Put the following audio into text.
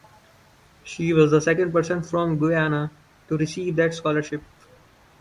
She was the second person from Guyana to receive that scholarship.